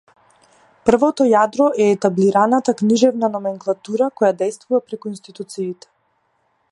Првото јадро е етаблираната книжевна номенклатура која дејствува преку институциите.